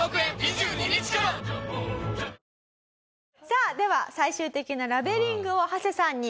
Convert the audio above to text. さあでは最終的なラベリングをハセさんに。